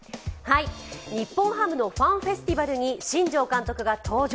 日本ハムのファンフェスティバルに新庄監督が登場。